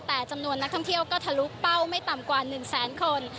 แต่จำนวนนักท่องเที่ยวก็ทะลุเป้าไม่ต่ำกว่า๑แสนคน